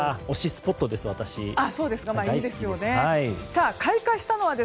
推しスポットです、私の。